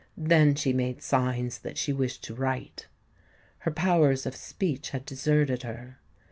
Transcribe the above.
Then she made signs that she wished to write. Her powers of speech had deserted her.